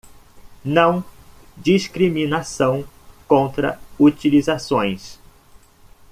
Não discriminação contra utilizações.